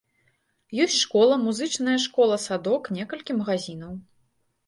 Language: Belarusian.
Ёсць школа, музычная школка, садок, некалькі магазінаў.